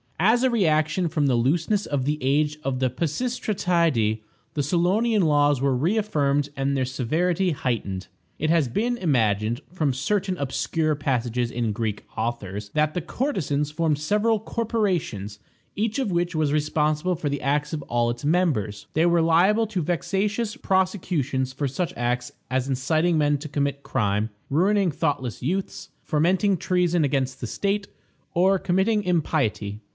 As a reaction from the looseness of the age of the Pisistratidæ, the Solonian laws were reaffirmed and their severity heightened. It has been imagined, from certain obscure passages in Greek authors, that the courtesans formed several corporations, each of which was responsible for the acts of all its members. They were liable to vexatious prosecutions for such acts as inciting men to commit crime, ruining thoughtless youths, fomenting treason against the state, or committing impiety.